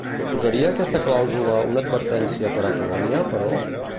Suposaria aquesta clàusula una advertència per a Polònia, però?